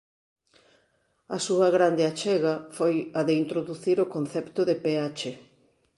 A súa grande achega foi a de introducir o concepto de pH.